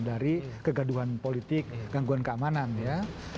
dari kegaduhan politik gangguan keamanan ya